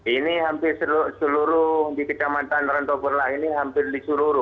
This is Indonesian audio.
ini hampir seluruh di kecamatan rantau perlah ini hampir disuruh bu